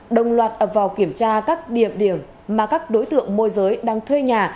đồng loạt ập vào kiểm tra các điểm điểm mà các đối tượng môi giới đang thuê nhà